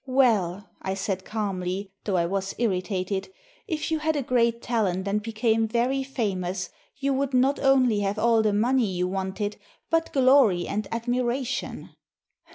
"Well," I said calmly, though I was irritated, ''if you had a great talent and became very famous, you would not only have all the money you wanted, but glory and admiration."